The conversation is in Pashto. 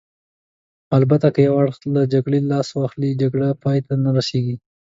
البته که یو اړخ له جګړې لاس واخلي، جګړه پای ته نه رسېږي.